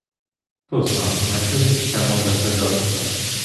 Хтозна, на що він ще може придатися?